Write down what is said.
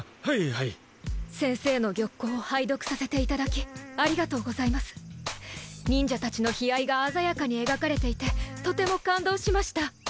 はい先生の玉稿を拝読させていただきありがとうございます忍者達の悲哀が鮮やかに描かれていてとても感動しました